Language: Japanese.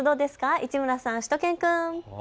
市村さん、しゅと犬くん。